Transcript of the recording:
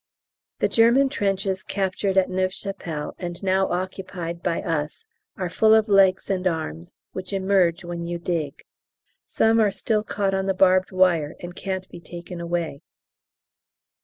The German trenches captured at Neuve Chapelle, and now occupied by us, are full of legs and arms, which emerge when you dig. Some are still caught on the barbed wire and can't be taken away.